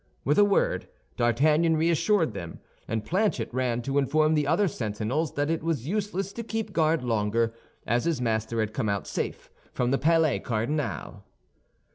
With a word, D'Artagnan reassured them; and Planchet ran to inform the other sentinels that it was useless to keep guard longer, as his master had come out safe from the Palais Cardinal.